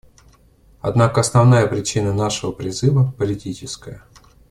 Однако основная причина нашего призыва — политическая.